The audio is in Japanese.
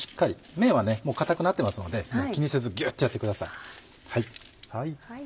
麺は硬くなってますので気にせずギュっとやってください。